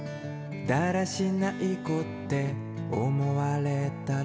「だらしない子って思われたら？」